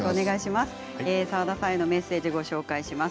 澤田さんへのメッセージご紹介します。